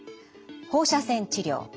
放射線治療。